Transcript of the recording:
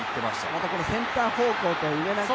またセンター方向という。